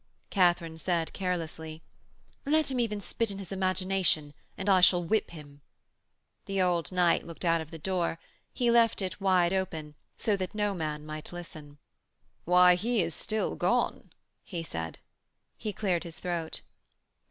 Katharine said carelessly: 'Let him even spit in his imagination, and I shall whip him.' The old knight looked out of the door. He left it wide open, so that no man might listen. 'Why, he is still gone,' he said. He cleared his throat.